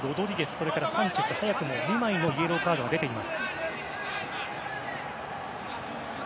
それから、サンチェスと早くも２枚のイエローカードが出ています。